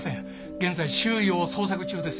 現在周囲を捜索中です。